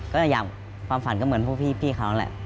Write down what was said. ก็อย่างความฝันก็เหมือนพวกพี่เขาแหละ